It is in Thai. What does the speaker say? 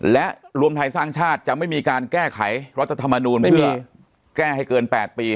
และรวมไทยสร้างชาติจะไม่มีการแก้ไขรัฐธรรมนูลเพื่อแก้ให้เกิน๘ปี